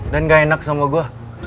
gak enak sama gue